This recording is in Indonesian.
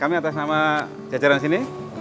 kami atas nama jajaran sini